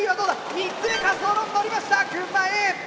３つ目滑走路にのりました群馬Ａ！